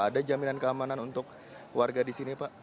ada jaminan keamanan untuk warga di sini pak